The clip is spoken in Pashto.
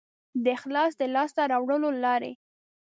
د اخلاص د لاسته راوړلو لارې